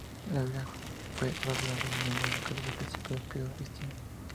La Biblia fue traducida a los idiomas locales a principios del período cristiano.